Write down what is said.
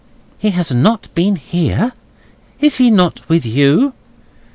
"He has not been here. Is he not with you?"